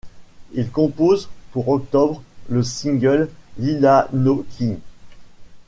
Ils composent pour octobre le single Lila no Ki.